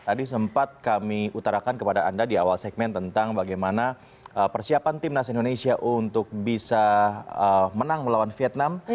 tadi sempat kami utarakan kepada anda di awal segmen tentang bagaimana persiapan timnas indonesia untuk bisa menang melawan vietnam